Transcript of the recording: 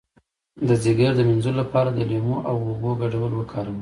د ځیګر د مینځلو لپاره د لیمو او اوبو ګډول وکاروئ